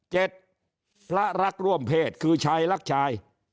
พระรักร่วมเพศคือชายรักชาย